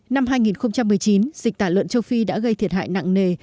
năm hai nghìn một mươi chín dịch tả lợn châu phi đã gây thiệt hại nặng nề